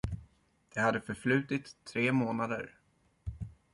Det hade förflutit tre månader.